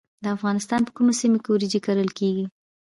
د افغانستان په کومو سیمو کې وریجې کرل کیږي؟